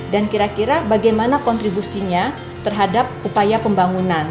dan kira kira bagaimana kontribusinya terhadap upaya pembangunan